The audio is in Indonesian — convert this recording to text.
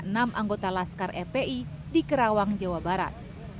enam anggota laskar fpi di kerawang jawa barat